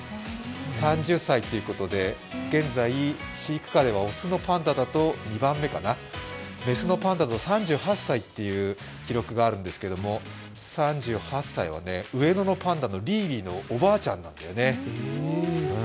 ３０歳ということで、現在、飼育下では雄のパンダでは２番目かなメスのパンダでは３８歳という記録があるんだけど３８歳は上野のパンダのリーリーのおばあちゃんなんだよね。